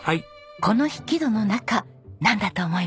この引き戸の中なんだと思います？